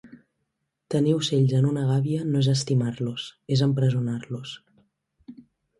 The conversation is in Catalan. Tenir ocells en una gàbia no és estimar-los és empresonar-los.